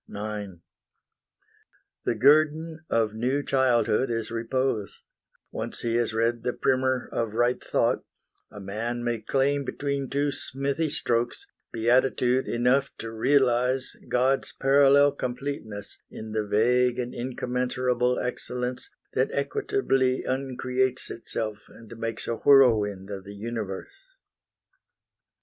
IX The guerdon of new childhood is repose: Once he has read the primer of right thought, A man may claim between two smithy strokes Beatitude enough to realize God's parallel completeness in the vague And incommensurable excellence That equitably uncreates itself And makes a whirlwind of the Universe.